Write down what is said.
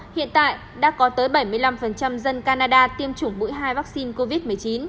hiện tại đã có tới bảy mươi năm dân canada tiêm chủng mũi hai vaccine covid một mươi chín